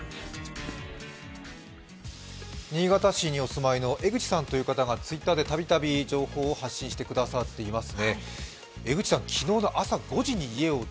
新潟市にお住まいの江口さんという方がＴｗｉｔｔｅｒでたびたび情報を発信してくださっています。